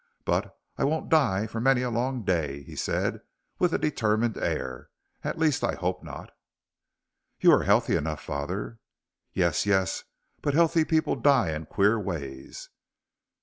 "But I won't die for many a long day," he said, with a determined air. "At least, I hope not." "You are healthy enough, father." "Yes! Yes but healthy people die in queer ways."